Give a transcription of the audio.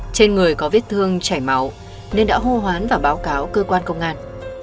trên người có vết thương chảy máu nên đã hô hoán và báo cáo cơ quan công an